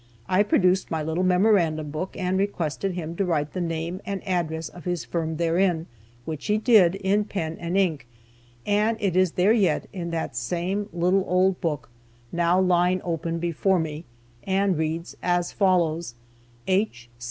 I produced my little memorandum book, and requested him to write the name and address of his firm therein, which he did, in pen and ink, and it is there yet, in that same little old book, now lying open before me, and reads as follows: "H.